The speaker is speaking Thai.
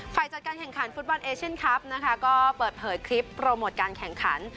ฝ่ายจัดการแข่งขันฟุตบอลเอเชียนคลับนะคะก็เปิดเผยคลิปโปรโมทการแข่งขัน